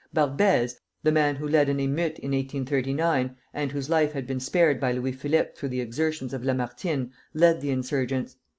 Barbès, the man who led an emeute in 1839, and whose life had been spared by Louis Philippe through the exertions of Lamartine, led the insurgents.